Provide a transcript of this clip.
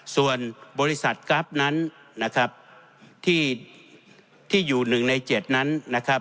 ส่วนบริษัทกรัฟที่อยู่๑ใน๗นั้น